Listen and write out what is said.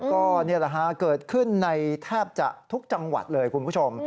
ก็นี่แหละฮะเกิดขึ้นในแทบจะทุกจังหวัดเลยคุณผู้ชม